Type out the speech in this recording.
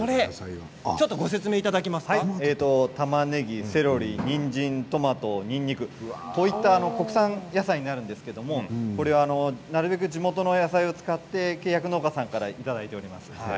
たまねぎ、セロリにんじん、トマト、にんにく国産野菜になるんですけれどなるべく地元の野菜を使って契約農家さんからいただいています。